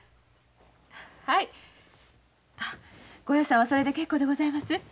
ご予算はそれで結構でございます。